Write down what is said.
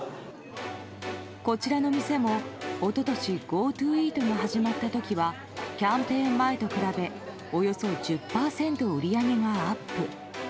こちらの店も一昨年ＧｏＴｏイートが始まった時はキャンペーン前と比べおよそ１０％売り上げがアップ。